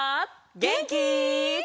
げんき？